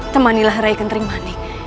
temanilah rai kentering manik